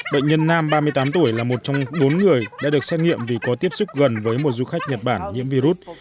bệnh nhân nam ba mươi tám tuổi là một trong bốn người đã được xét nghiệm vì có tiếp xúc gần với một du khách nhật bản nhiễm virus